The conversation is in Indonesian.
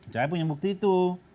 saya punya bukti itu